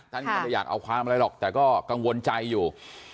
ท่านก็ไม่ได้อยากเอาความอะไรหรอกแต่ก็กังวลใจอยู่